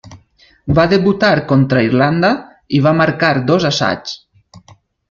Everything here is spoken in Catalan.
Va debutar contra Irlanda, i va marcar dos assaigs.